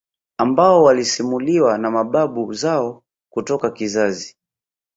ambao walisimuliwa na mababu zao kutoka kizazi